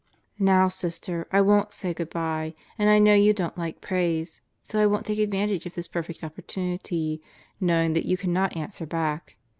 ... Now, Sister, I won't say good by, and I know you don't like praise, so I won't take advantage of this perfect opportunity, knowing that you cannot answer back.